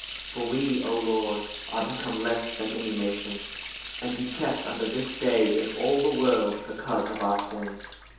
14 For we, O Lord, are become less than any nation, and be kept under this day in all the world because of our sins.